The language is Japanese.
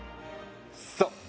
そう！